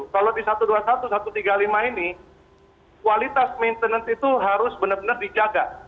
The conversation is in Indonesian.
kalau di satu ratus dua puluh satu satu ratus tiga puluh lima ini kualitas maintenance itu harus benar benar dijaga